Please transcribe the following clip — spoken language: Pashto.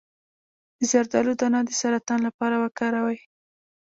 د زردالو دانه د سرطان لپاره وکاروئ